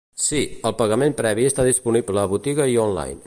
Sí, el pagament previ està disponible a botiga i online.